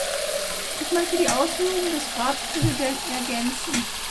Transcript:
Ich möchte die Ausführungen des Ratspräsidenten ergänzen.